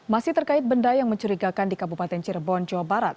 masih terkait benda yang mencurigakan di kabupaten cirebon jawa barat